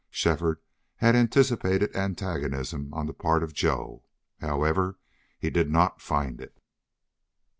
Shefford had anticipated antagonism on the part of Joe; however, he did not find it.